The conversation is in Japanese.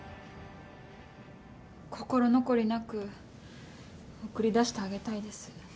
心残りなく送り出してあげたいです。